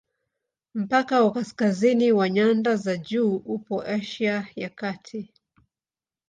Mpaka wa kaskazini wa nyanda za juu upo Asia ya Kati.